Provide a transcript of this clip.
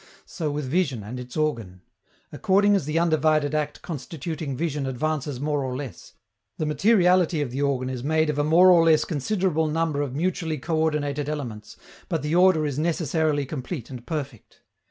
So with vision and its organ. According as the undivided act constituting vision advances more or less, the materiality of the organ is made of a more or less considerable number of mutually coördinated elements, but the order is necessarily complete and perfect.